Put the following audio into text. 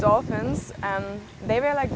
mereka sangat menakutkan